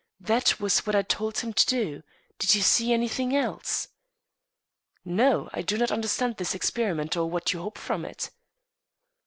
"That was what I told him to do. Did you see anything else?" "No. I do not understand this experiment or what you hope from it."